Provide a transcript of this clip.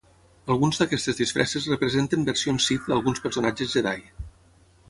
Alguns d'aquestes disfresses representen versions Sith d'alguns personatges Jedi.